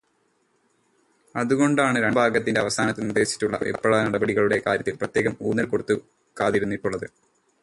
അതു് കൊണ്ടാണു് രണ്ടാം ഭാഗത്തിന്റെ അവസാനത്തിൽ നിർദ്ദേശിച്ചിട്ടുള്ള വിപ്ലവനടപടികളുടെ കാര്യത്തിൽ പ്രത്യേകം ഊന്നൽ കൊടുക്കാതിരുന്നിട്ടുള്ളതു്.